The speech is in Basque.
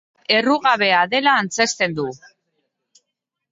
Errugabea dela antzezten du.